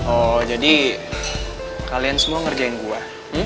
oh jadi kalian semua ngerjain gue